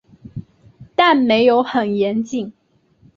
但没有很严谨